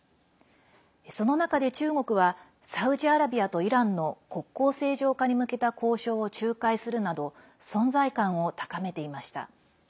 その中で、中国はサウジアラビアとイランの国交正常化に向けた交渉を仲介するなど存在感を高めていました。